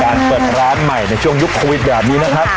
การเปิดร้านใหม่ในช่วงยุคโควิดแบบนี้นะครับเย็นละครับ